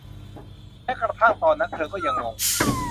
แม้กระทั่งตอนนั้นเธอก็ยัง งง